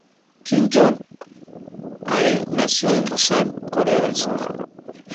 Kim Jong-hae nació en Busan, Corea del Sur.